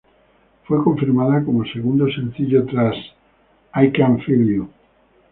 Fue confirmada como segundo sencillo tras "I Can Feel You".